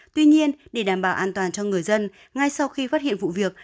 tuy nhiên để đảm bảo an toàn cho người dân ngay sau khi phát hiện vụ việc